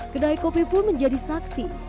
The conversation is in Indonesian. kedai kopi pun menjadi saksi